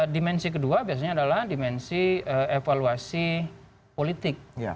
dimensi kedua biasanya adalah dimensi evaluasi politik